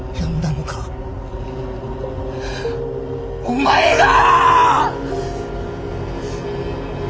お前が！